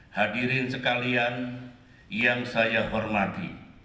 hadirin sekalian yang saya hormati